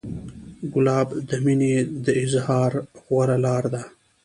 ګلاب د مینې د اظهار غوره لاره ده.